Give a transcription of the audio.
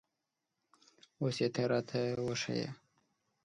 اوس یې ته را ته وښیه